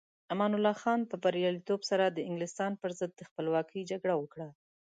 امان الله خان په بریالیتوب سره د انګلستان پر ضد د خپلواکۍ جګړه وکړه.